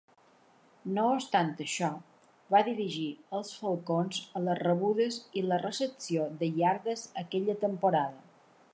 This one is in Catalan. No obstant això, va dirigir els Falcons a les rebudes i les recepció de iardes aquella temporada.